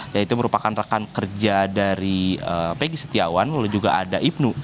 yaitu merupakan rekan kerja dari pegi setiawan lalu juga ada ibnu